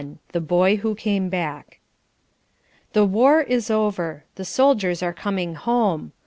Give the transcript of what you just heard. The Boy Who Came Back The war is over. The soldiers are coming home.